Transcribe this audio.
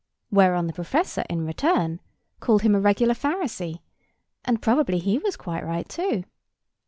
Whereon the professor, in return, called him a regular Pharisee; and probably he was quite right too.